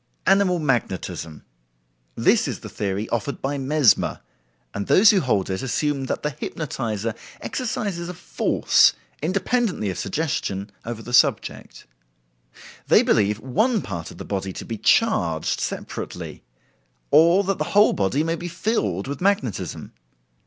Animal Magnetism. This is the theory offered by Mesmer, and those who hold it assume that "the hypnotizer exercises a force, independently of suggestion, over the subject. They believe one part of the body to be charged separately, or that the whole body may be filled with magnetism.